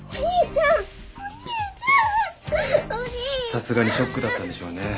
さすがにショックだったんでしょうね。